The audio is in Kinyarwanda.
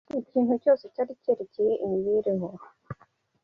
Ikintu cyose cyari cyerekeye imibereho